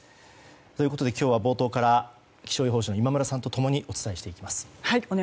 ということで今日は冒頭から気象予報士の今村さんと共にお伝えしていきます。